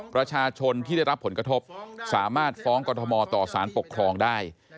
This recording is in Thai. ประชาชนที่ได้รับผลกระทบสามารถฟ้องกรทมต่อสารปกครองได้